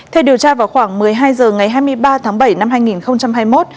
theo điều tra vào khoảng một mươi hai h ngày hai mươi ba tháng bảy năm hai nghìn hai mươi một